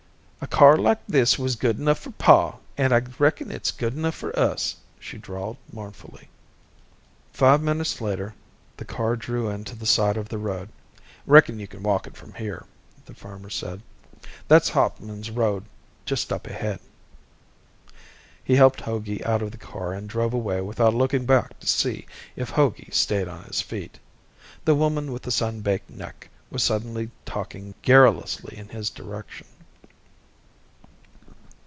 "A car like this was good enough for Pa, an' I reckon it's good enough for us," she drawled mournfully. Five minutes later the car drew in to the side of the road. "Reckon you can walk it from here," the farmer said. "That's Hauptman's road just up ahead." He helped Hogey out of the car and drove away without looking back to see if Hogey stayed on his feet. The woman with the sun baked neck was suddenly talking garrulously in his direction.